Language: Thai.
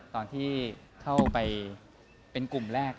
ตอนที่เข้าไปเป็นกลุ่มแรก